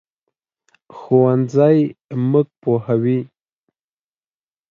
ښوونځی موږ پوهوي